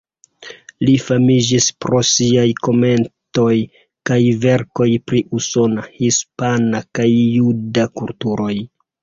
Li famiĝis pro siaj komentoj kaj verkoj pri usona, hispana kaj juda kulturoj.